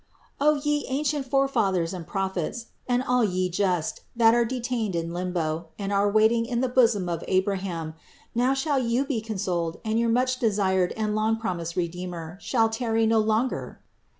O, ye an cient Forefathers and Prophets, and all ye just, that are detained in limbo and are waiting in the bosom of Abra ham, now shall you be consoled and your much desired and long promised Redeemer shall tarry no longer